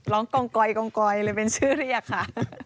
กองกอยกองกอยเลยเป็นชื่อเรียกค่ะ